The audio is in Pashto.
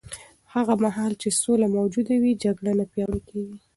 هغه مهال چې سوله موجوده وي، جګړه نه پیاوړې کېږي.